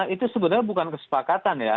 itu sebenarnya bukan kesepakatan ya